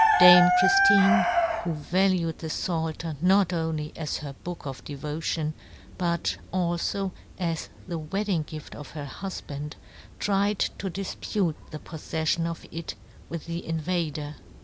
Dame Chriftine, who valued the Pfalter, not only as her book of devotion, but, alfo, as the wedding gift of her hufband, tried to difpute the poffeffion of it with the invader.